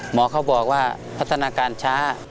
หมอเขาบอกว่าพัฒนาการช้า